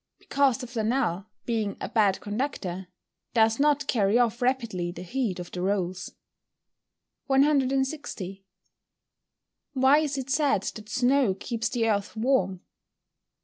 _ Because the flannel, being a bad conductor, does not carry off rapidly the heat of the rolls. 160. _Why is it said that snow keeps the earth warm?